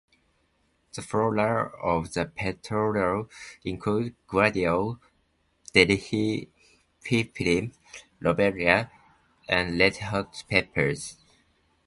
The flora of the plateau include gladioli, delphiniums, lobelia, and 'red hot pokers'.